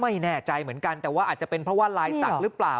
ไม่แน่ใจเหมือนกันแต่ว่าอาจจะเป็นเพราะว่าลายศักดิ์หรือเปล่า